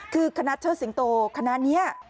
คือคณะเชิดสิงโตคณะนี้